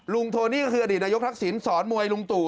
โทนี่ก็คืออดีตนายกทักษิณสอนมวยลุงตู่